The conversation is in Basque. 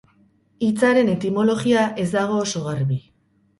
Hitzaren etimologia ez dago oso garbi.